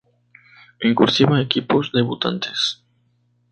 En "cursiva", equipos debutantes.